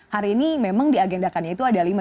hari ini memang diagendakannya itu ada lima